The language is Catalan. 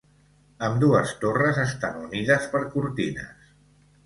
Ambdues torres estan unides per cortines.